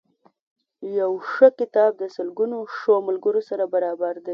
یو ښه کتاب د سلګونو ښو ملګرو سره برابر دی.